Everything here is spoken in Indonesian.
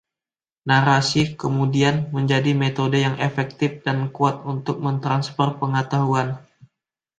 Narasi, kemudian, menjadi metode yang efektif dan kuat untuk mentransfer pengetahuan.